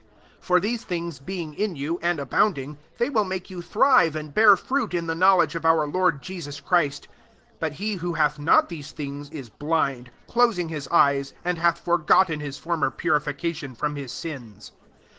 8 For these things being in you, and abounding, they will make you thrive and bear fnnt in the knowledge of our Lord Jesus Christ 9 But he who hath not these things is blindi closing his eyes, and hath for gotten his former purificatitti from his sins.